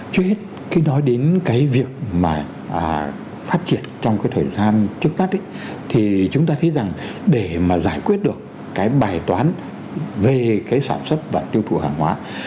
trước hết khi nói đến cái việc mà phát triển trong cái thời gian trước mắt thì chúng ta thấy rằng để mà giải quyết được cái bài toán về cái sản xuất và tiêu thụ hàng hóa